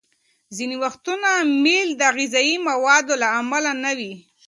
ځینې وختونه میل د غذايي موادو له امله نه وي.